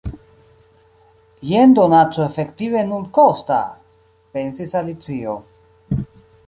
"Jen donaco efektive nulkosta!" pensis Alicio.